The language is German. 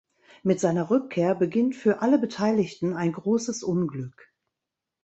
Mit seiner Rückkehr beginnt für alle Beteiligten ein großes Unglück.